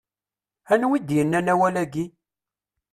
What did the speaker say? Anwa i d-yannan awal-agi?